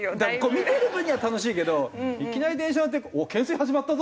見てる分には楽しいけどいきなり電車乗って懸垂始まったぞ？